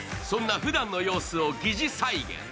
そんなふだんの様子を疑似再現。